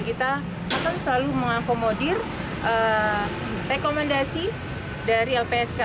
kita akan selalu mengakomodir rekomendasi dari lpsk